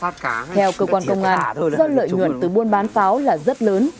theo cơ quan công an do lợi nhuận từ buôn bán pháo là rất lớn